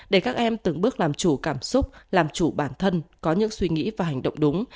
để các em từng bước làm chủ cảm xúc làm chủ bản thân có những suy nghĩ và hành động đúng